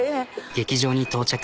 劇場に到着。